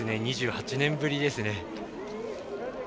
２８年ぶりですね。